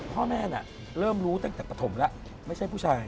พ่อแม่น่ะเริ่มรู้ตั้งแต่ปฐมแล้วไม่ใช่ผู้ชาย